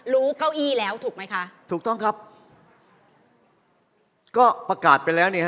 เก้าอี้แล้วถูกไหมคะถูกต้องครับก็ประกาศไปแล้วเนี่ยฮ